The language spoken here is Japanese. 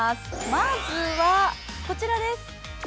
まずは、こちらです。